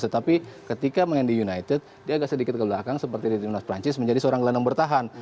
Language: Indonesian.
tetapi ketika main di united dia agak sedikit ke belakang seperti di timnas perancis menjadi seorang gelandang bertahan